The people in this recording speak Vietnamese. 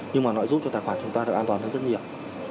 nhưng mà nó giúp cho tài khoản chúng ta được an toàn hơn rất nhiều